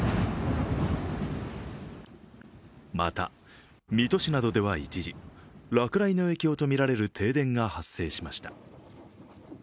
また、水戸市などでは一時落雷の影響とみられる停電が発生しました。